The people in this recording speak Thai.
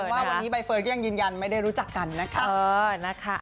ว่าวันนี้ใบเฟิร์นก็ยังยืนยันไม่ได้รู้จักกันนะคะ